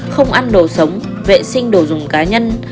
không ăn đồ sống vệ sinh đồ dùng cá nhân